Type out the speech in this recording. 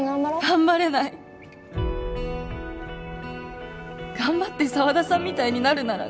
頑張れない頑張って沢田さんみたいになるなら